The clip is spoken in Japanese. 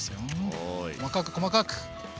細かく細かく！